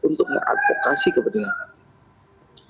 untuk mengadvokasi kepentingan kami